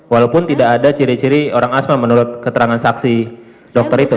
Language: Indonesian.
walaupun tidak ada ciri ciri orang asma menurut keterangan saksi dokter itu